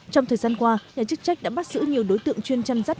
trong thời gian qua nhà chức trách đã bắt giữ nhiều đối tượng chuyên chăn rắt